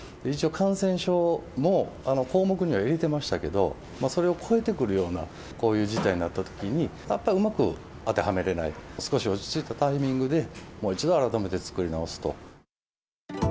一応、感染症も項目には入れてましたけれども、それを超えてくるような、こういう事態になったときに、やっぱりうまく当てはめられない、少し落ち着いたタイミングで、もう一度改めて作り直すと。